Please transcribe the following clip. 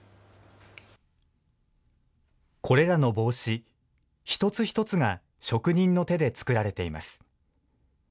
これらの帽子、一つ一つが職人の手で作られています。